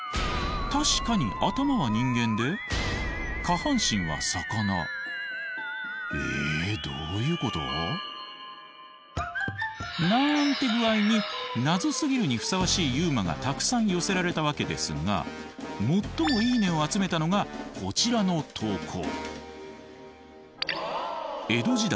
確かに頭は人間で下半身は魚。えどういうこと？なんて具合にナゾすぎるにふさわしいＵＭＡがたくさん寄せられたわけですが最も「いいね」を集めたのがこちらの投稿。